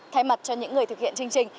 thay mặt cho những người thực hiện chương trình